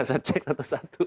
saya cek satu satu